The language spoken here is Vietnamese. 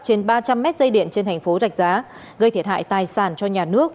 trên ba trăm linh mét dây điện trên thành phố rạch giá gây thiệt hại tài sản cho nhà nước